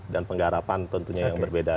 dan penggarapan tentunya yang berbeda